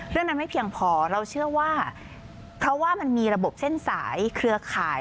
เรื่องนั้นไม่เพียงพอเราเชื่อว่าเพราะว่ามันมีระบบเส้นสายเครือข่าย